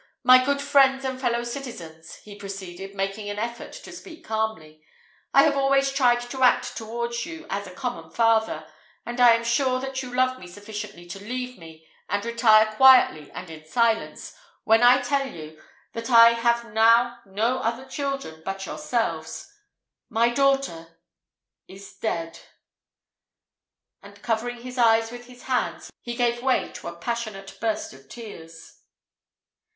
My good friends and fellow citizens," he proceeded, making a great effort to speak calmly, "I have always tried to act towards you all as a common father, and I am sure that you love me sufficiently to leave me, and retire quietly and in silence, when I tell you, that I have now no other children but yourselves. My daughter is dead!" and covering his eyes with his hands, he gave way to a passionate burst of tears.